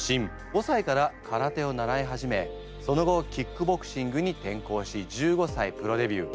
５歳から空手を習い始めその後キックボクシングに転向し１５歳プロデビュー。